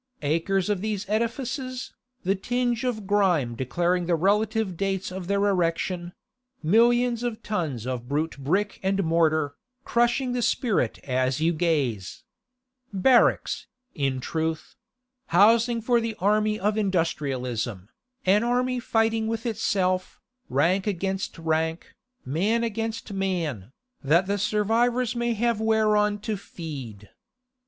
Acres of these edifices, the tinge of grime declaring the relative dates of their erection; millions of tons of brute brick and mortar, crushing the spirit as you gaze. Barracks, in truth; housing for the army of industrialism, an army fighting with itself, rank against rank, man against man, that the survivors may have whereon to feed.